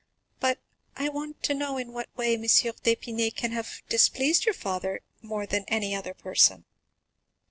"But I want to know in what way M. d'Épinay can have displeased your father more than any other person?"